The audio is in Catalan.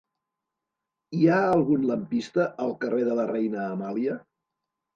Hi ha algun lampista al carrer de la Reina Amàlia?